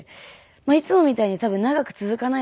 いつもみたいに多分長く続かないだろうって